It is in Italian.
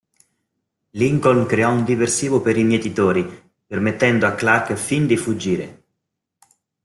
Lincoln crea un diversivo per i Mietitori, permettendo a Clarke e Finn di fuggire.